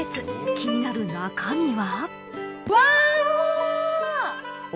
気になる中身は。